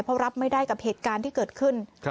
เพราะรับไม่ได้กับเหตุการณ์ที่เกิดขึ้น